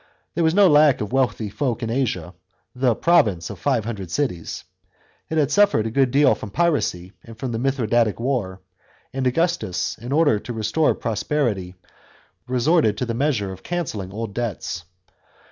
There was no lack of wealthy folk in Asia, the province "of five hundred cities." It had suffered a good deal from piracy and from the Mithradatic war; and Augustus, in order to restore prosperity, resorted to the measure of cancelling old debts.